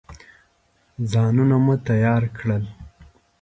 ځانونه مو تیار کړل.